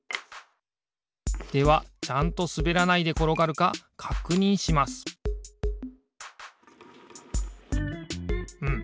ではちゃんとすべらないでころがるかかくにんしますうん。